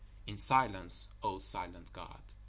_ In silence, O Silent God.